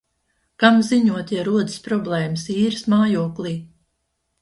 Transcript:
Kam ziņot, ja rodas problēmas īres mājoklī?